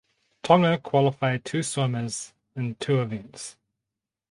Tonga qualified two swimmers in two events.